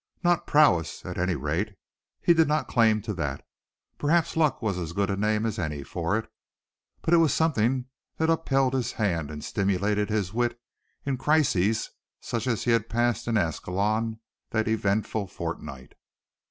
Not prowess, at any rate; he did not claim to that. Perhaps luck was as good a name as any for it, but it was something that upheld his hand and stimulated his wit in crises such as he had passed in Ascalon that eventful fortnight.